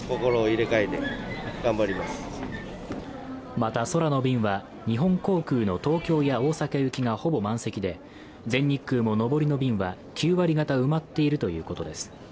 また空の便は、日本航空の東京や大阪行きがほぼ満席で全日空も上りの便は９割方埋まっているということです。